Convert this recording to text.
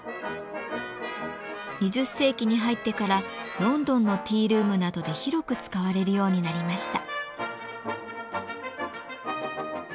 ２０世紀に入ってからロンドンのティールームなどで広く使われるようになりました。